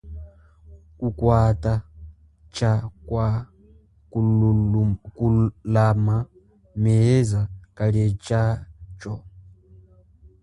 Kukwata cha kwa kululama meza kaliehacho?